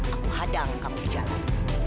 aku hadang kamu ke jalan